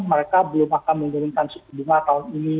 mereka belum akan menurunkan suku bunga tahun ini